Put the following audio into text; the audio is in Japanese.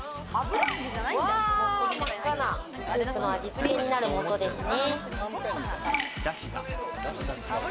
真っ赤なスープの味付けになるものですね。